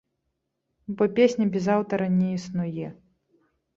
Бо песня без аўтара не існуе!